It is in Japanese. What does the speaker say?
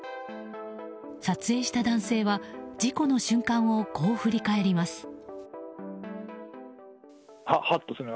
撮影した男性は事故の瞬間をこう振り返ります。